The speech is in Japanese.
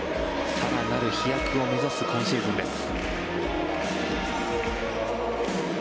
更なる飛躍を目指す今シーズンです。